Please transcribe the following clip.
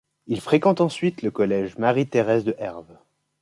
Il fréquente ensuite le collège Marie-Thérèse de Herve.